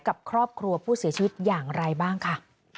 กับครอบครัวผู้เสียชีวิตอย่างไรบ้างค่ะ